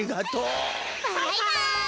バイバイ！